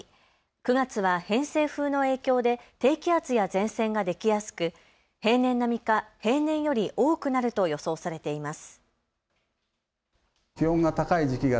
９月は偏西風の影響で低気圧や前線ができやすく平年並みか平年より多くなると予想されています。